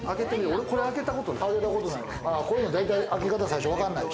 俺、これ開けたことない。